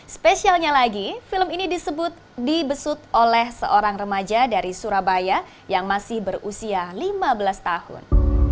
spesialnya lagi film ini disebut dibesut oleh seorang remaja dari surabaya yang masih berusia lima belas tahun